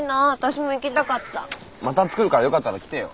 また作るからよかったら来てよ。